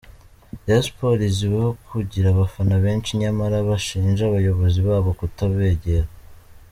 Rayon Sports izwiho kugira abafana benshi nyamara bashinja abayobozi babo kutabegera.